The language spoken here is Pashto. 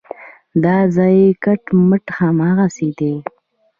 دا ځای کټ مټ هماغسې دی.